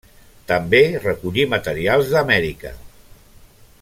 També recollí materials d'Amèrica.